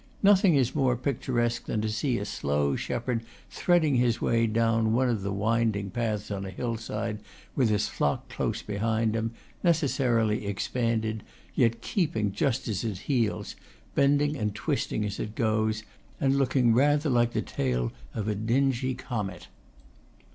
Nothing is more picturesque than to see a slow shepherd threading his way down one of the winding paths on a hillside, with his flock close be hind him, necessarily expanded, yet keeping just at his heels, bending and twisting as it goes, and looking rather like the tail of a dingy comet.